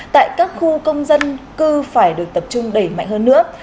tại các khu công dân cư phải được tập trung đẩy mạnh hơn nữa